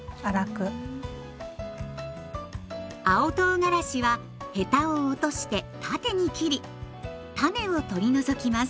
青とうがらしはヘタを落として縦に切り種を取り除きます。